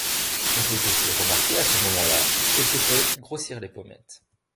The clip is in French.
On peut aussi remarquer à ce moment là, qu'elle s'est fait grossir les pommettes.